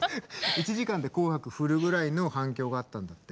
１時間で「紅白」ふるぐらいの反響があったんだって。